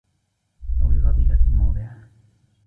أَوْ لِفَضِيلَةٍ مَوْضِعًا